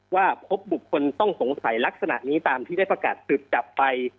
ว่าพบบุคคลต้องสงสัยลักษณะนี้ตามที่ได้ประกาศสืบจับไป